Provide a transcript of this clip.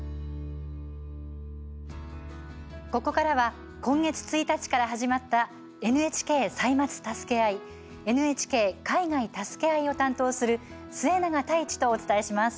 ここからは今月１日から始まった「ＮＨＫ歳末たすけあい」「ＮＨＫ海外たすけあい」を担当する末永太一とお伝えします。